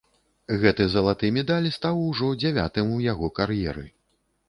Гэты залаты медаль стаў ужо дзявятым у яго кар'еры.